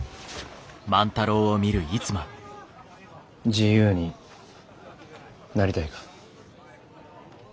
自由になりたいか？